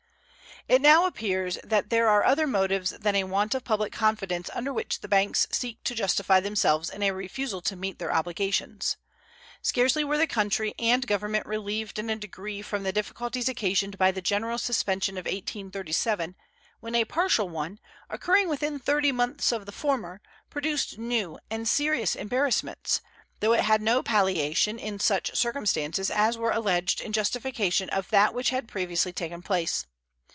It now appears that there are other motives than a want of public confidence under which the banks seek to justify themselves in a refusal to meet their obligations. Scarcely were the country and Government relieved in a degree from the difficulties occasioned by the general suspension of 1837 when a partial one, occurring within thirty months of the former, produced new and serious embarrassments, though it had no palliation in such circumstances as were alleged in justification of that which had previously taken place.